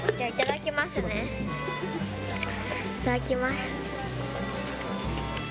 いただきます。